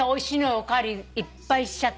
お代わりいっぱいしちゃった。